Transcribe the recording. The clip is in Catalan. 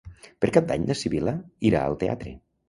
Per Cap d'Any na Sibil·la irà al teatre.